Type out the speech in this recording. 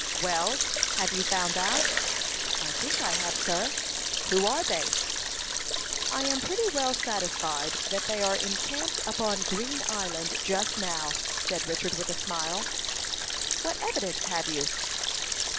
"Well, have you found out?" "I think I have, sir." "Who are they?" "I am pretty well satisfied that they are encamped upon Green Island just now," said Richard, with a smile. "What evidence have you?"